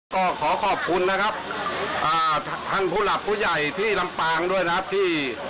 ก็ขอขอบคุณนะครับท่านผู้หลักผู้ใหญ่ที่ลำปางด้วยนะครับที่